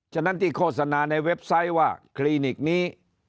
ฉะนั้นที่โฆษณาในเว็บไซต์ว่าคลินิกนี้